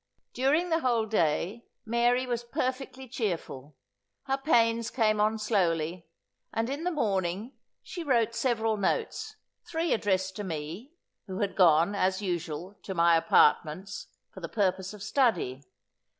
During the whole day Mary was perfectly cheerful. Her pains came on slowly; and, in the morning, she wrote several notes, three addressed to me, who had gone, as usual, to my apartments, for the purpose of study.